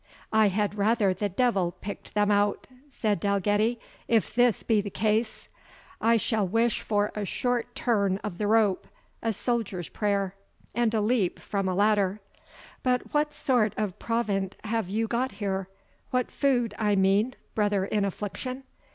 "I had rather the devil picked them out!" said Dalgetty; "if this be the case, I shall wish for a short turn of the rope, a soldier's prayer, and a leap from a ladder. But what sort of provant have you got here what food, I mean, brother in affliction?"